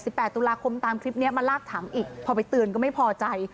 แปดตุลาคมตามคลิปเนี้ยมาลากถังอีกพอไปเตือนก็ไม่พอใจ